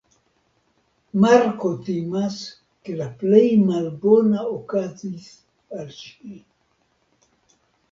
Marko timas ke la plej malbona okazis al ŝi.